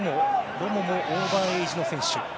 ロモもオーバーエージの選手。